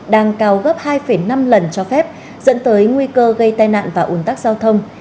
đang cao gấp hai năm lần cho phép dẫn tới nguy cơ gây tai nạn và ủn tắc giao thông